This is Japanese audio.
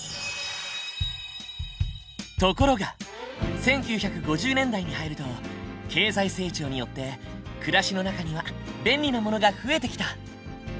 ところが１９５０年代に入ると経済成長によって暮らしの中には便利なものが増えてきた。